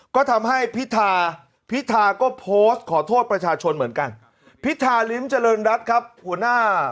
ก็ทำให้พิธาพิธาก็โพสต์ขอโทษประชาชนเหมือนกัน